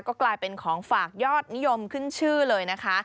ก็กลายเป็นของฝากยอดนิยมขึ้นชื่อเลยนะคะ